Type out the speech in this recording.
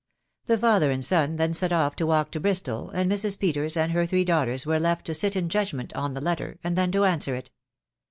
The father and son then set off to walk to Bristol, and Mrs. Peters and her three daughters were left to sit in judgment on the letter, and then to answer it.